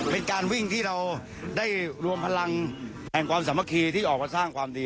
เป็นการวิ่งที่เราได้รวมพลังแห่งความสามัคคีที่ออกมาสร้างความดี